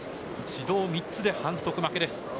指導３つで反則負けです。